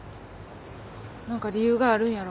何か理由があるんやろ？